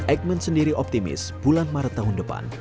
eijkman sendiri optimis bulan maret tahun depan